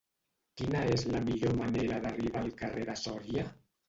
Quina és la millor manera d'arribar al carrer de Sòria?